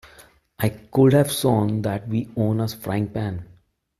I could have sworn that we own a frying pan.